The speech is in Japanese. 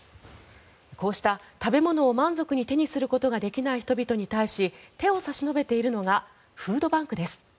こうした食べ物を満足に手にすることができない人々に対し手を差し伸べているのがフードバンクです。